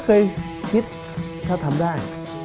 ผมก็เคยคิดถ้าทำได้